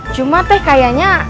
cuma teh kayaknya